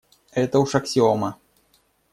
Это уж аксиома.